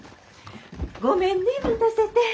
ごめんね待たせて。